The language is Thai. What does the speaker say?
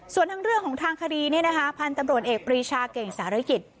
ส่วนทั้งเรื่องของทางคดีพันธุ์ตำรวจเอกปรีชาเก่งสารกิจ